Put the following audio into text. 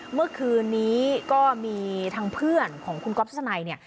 เมื่อคืนนี้ก็มีทางเพื่อนของคุณก๊อฟทัศนัยเนี่ย